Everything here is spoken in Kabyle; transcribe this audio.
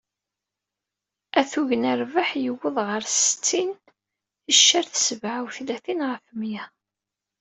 Atug n rrbeḥ yewweḍ ɣer settin ticcert sebεa u tlatin ɣef mya..